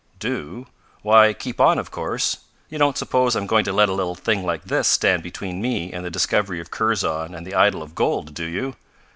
"Do? Why keep on, of course. You don't suppose I'm going to let a little thing like this stand between me and the discovery of Kurzon and the idol of gold, do you?"